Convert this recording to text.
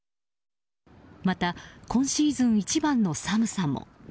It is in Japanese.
また、今シーズン一番の寒さも。